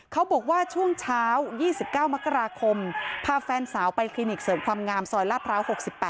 เขาบอกว่าช่วงเช้า๒๙มกราคมพาแฟนสาวไปคลินิกเสริมความงามซอยลาดพร้าว๖๘